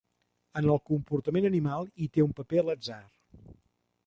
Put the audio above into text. En el comportament animal hi té un paper l'atzar.